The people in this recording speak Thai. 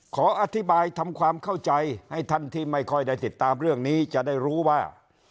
ขออธิบายทำความเข้าใจให้ท่านที่ไม่ค่อยได้ติดตามเรื่องนี้จะได้รู้ว่า